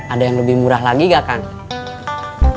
ada yang lebih murah lagi gak kang